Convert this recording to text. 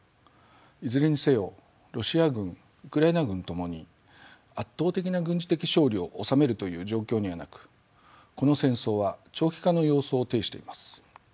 いずれにせよロシア軍ウクライナ軍共に圧倒的な軍事的勝利を収めるという状況にはなくこの戦争は長期化の様相を呈しています。